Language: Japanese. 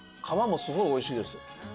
皮もすごいおいしいです。